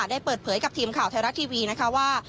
ได้เปิดเผยกับทีมข่าวไทยรัฐทีวีนะคะว่า